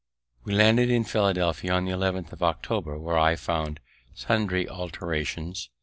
We landed in Philadelphia on the 11th of October, where I found sundry alterations.